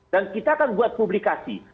dan kita kan buat publikasi